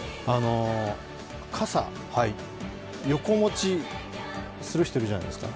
傘、横持ちする人、いるじゃないですか。